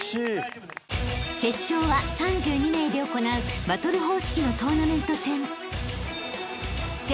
［決勝は３２名で行うバトル方式のトーナメント戦］